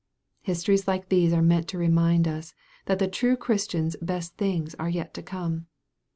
Histories like these are meant to remind us, that the true Christian's best things are yet to come.